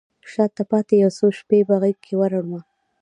شاته پاته یو څو شپې په غیږکې وړمه